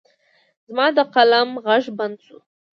زما د قلم غږ بند شو.